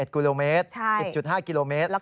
๗กิโลเมตร๑๐๕กิโลเมตร